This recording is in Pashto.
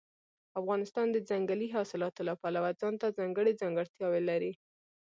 افغانستان د ځنګلي حاصلاتو له پلوه ځانته ځانګړې ځانګړتیاوې لري.